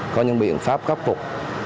có những biện pháp khắc phục